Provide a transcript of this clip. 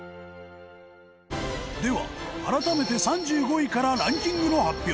では、改めて３５位からランキングの発表